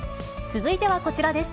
続いてはこちらです。